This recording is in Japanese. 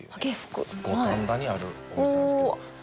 五反田にあるお店なんですけど。